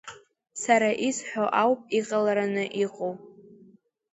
Сара исҳәо ауп иҟалараны иҟоу.